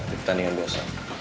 di pertandingan biasa